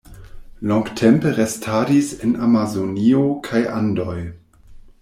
Longtempe restadis en Amazonio kaj Andoj.